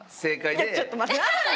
いやちょっと待って！